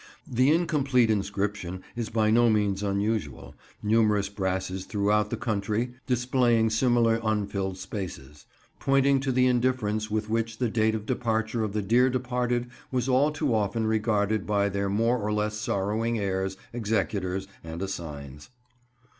The incomplete inscription is by no means unusual, numerous brasses throughout the country displaying similar unfilled spaces; pointing to the indifference with which the date of departure of the dear departed was all too often regarded by their more or less sorrowing heirs, executors, and assigns.